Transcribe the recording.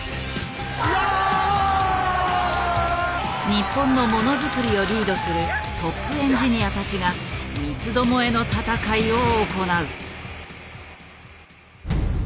日本のものづくりをリードするトップエンジニアたちが三つどもえの戦いを行う。